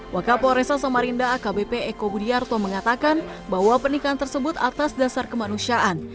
wakapol resa samarinda akbp eko budiarto mengatakan bahwa pernikahan tersebut atas dasar kemanusiaan